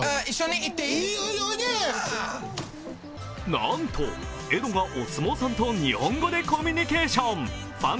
なんとエドがお相撲さんと日本語でコミュニケーション。